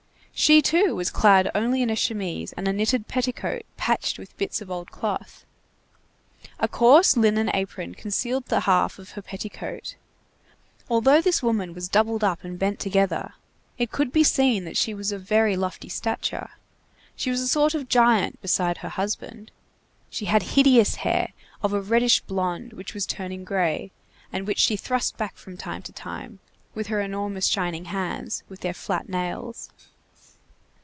She, too, was clad only in a chemise and a knitted petticoat patched with bits of old cloth. A coarse linen apron concealed the half of her petticoat. Although this woman was doubled up and bent together, it could be seen that she was of very lofty stature. She was a sort of giant, beside her husband. She had hideous hair, of a reddish blond which was turning gray, and which she thrust back from time to time, with her enormous shining hands, with their flat nails.